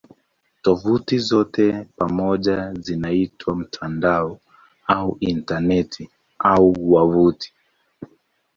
Tovuti zote pamoja zinaitwa "mtandao" au "Intaneti" au "wavuti".